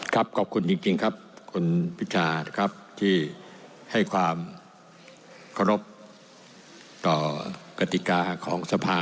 ครับขอบคุณจริงครับคุณพิษาครับที่ให้ความครบต่อกติกาของสภาครับ